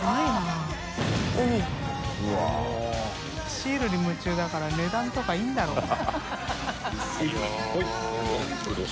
シールに夢中だから値段とかいいんだろうね。